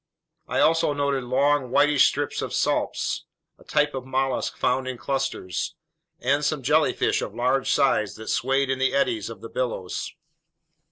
I also noted long, whitish strings of salps, a type of mollusk found in clusters, and some jellyfish of large size that swayed in the eddies of the billows.